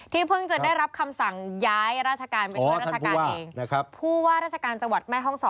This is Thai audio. ที่เพิ่งจะได้รับคำสั่งย้ายราชการเป็นเพื่อนราชการเอง